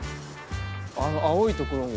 あの青い所も。